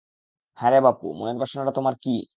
হ্যা রে বাপু, মনের বাসনাটা তোমার কী?